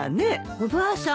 おばあさん